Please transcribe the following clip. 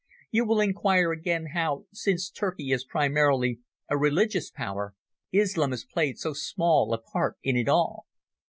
You will inquire again how, since Turkey is primarily a religious power, Islam has played so small a part in it all.